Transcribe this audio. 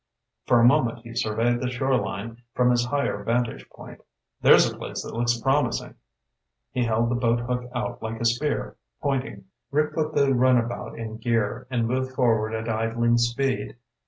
For a moment he surveyed the shoreline from his higher vantage point. "There's a place that looks promising." He held the boat hook out like a spear, pointing. Rick put the runabout in gear, and moved forward at idling speed.